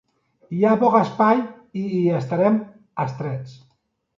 Hi ha poc espai i hi estarem estrets.